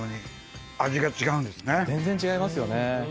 全然違いますよね。